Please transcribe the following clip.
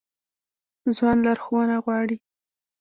ځوان لارښوونه غواړي